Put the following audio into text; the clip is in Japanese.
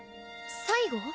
最後？